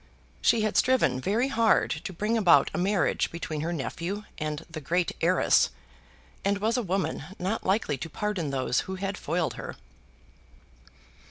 She had striven very hard to bring about a marriage between her nephew and the great heiress, and was a woman not likely to pardon those who had foiled her.